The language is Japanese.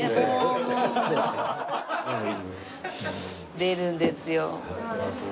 出るんですよ。